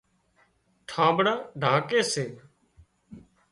ڍانٻڙان ڍانڪي سي